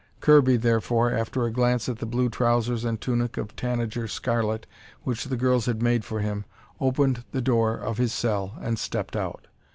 Kirby, therefore, after a glance at the blue trousers and tunic of tanager scarlet which the girls had made for him, opened the door of his cell, and stepped out.